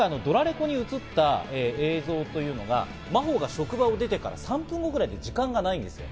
今回、ドラレコに映った映像というのが、真帆が職場を出てから３分ぐらいと時間がないんです。